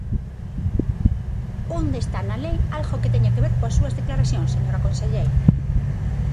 ¿Onde está na lei algo que teña que ver coas súas declaracións, señora conselleira?